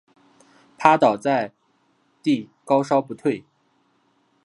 趴倒在地高烧不退